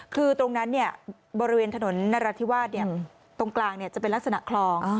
คือตรงนั้นบริเวณถนนนรัฐธิวาสตรงกลางจะเป็นลักษณะคลอง